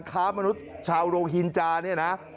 ค้ามนุษย์ชาวโรฮินจาเนี่ยนะ